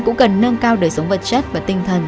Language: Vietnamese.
cũng cần nâng cao đời sống vật chất và tinh thần